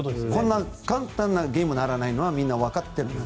簡単なゲームにならないのはみんなわかっている。